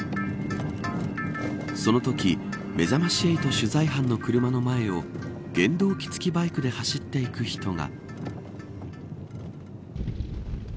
そのときめざまし８取材班の車の前を原動機付きバイクで走っていく人が。